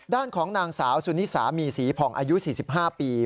ด้านของนางสาวสุนิสามีศรีผ่องอายุ๔๕ปี